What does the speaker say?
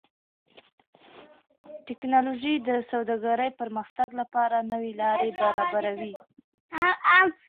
ټکنالوژي د سوداګرۍ پرمختګ لپاره نوې لارې برابروي.